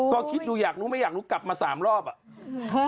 ก็คิดดูอยากรู้ไม่อยากรู้กลับมา๓รอบอ่ะ